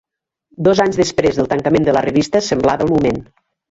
Dos anys després del tancament de la revista, semblava el moment.